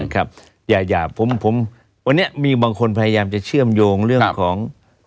ครับอย่าผมวันนี้มีบางคนพยายามจะเชื่อมโยงเรื่องของ